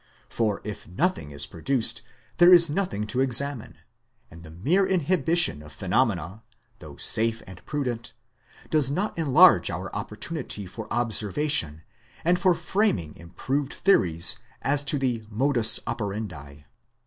For if nothing is produced, there is nothing to examine ; and the mere inhibition of phenomena, though safe and prudent, does not enlarge our opportunity for observation and for framing improved theories as to the modus operandi.